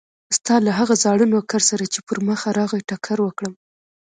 ستا له هغه زاړه نوکر سره چې پر مخه راغی ټکر وکړم.